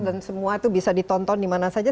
dan semua itu bisa ditonton dimana saja